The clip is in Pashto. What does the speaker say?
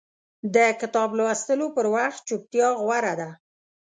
د کتاب لوستلو پر وخت چپتیا غوره ده.